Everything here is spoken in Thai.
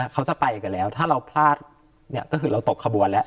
เขาจะไปกันแล้วถ้าเราพลาดเนี่ยก็คือเราตกขบวนแล้ว